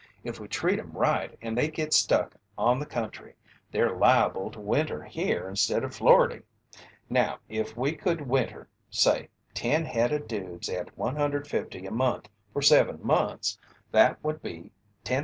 If we treat 'em right and they get stuck on the country they're liable to winter here instead of Floridy. Now, if we could winter say ten head of dudes at $150 a month for seven months, that would be $10,500.